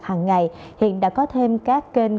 hàng ngày hiện đã có thêm các kênh